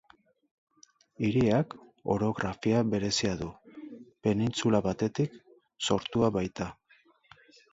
Hiriak orografia berezia du, penintsula batetik sortua baita.